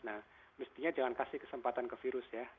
nah mestinya jangan kasih kesempatan ke virus ya